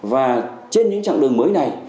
và trên những chặng đường mới này